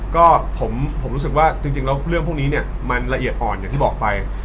ก็ผมรู้สึกว่าจริงแล้วเรื่องพวกนี้เนี่ยมันละเอียดอ่อนอย่างที่บอกไป